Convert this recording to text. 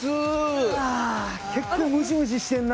結構ムシムシしてんな。